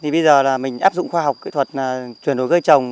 bây giờ là mình áp dụng khoa học kỹ thuật chuyển đổi cây trồng